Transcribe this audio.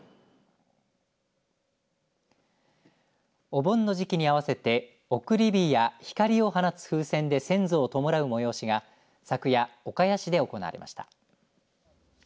お盆の時期に合わせて送り火や光を放つ風船で先祖を弔う催しが昨夜、岡谷市で行われました。